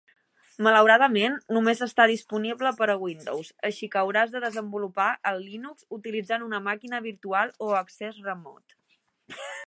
Malauradament, només està disponible per a Windows, així que hauràs de desenvolupar el Linux utilitzant una màquina virtual o accés remot.